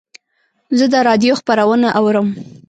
زه د رادیو خپرونه اورم.